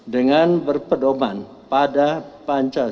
dengan berpedoman pada pancasila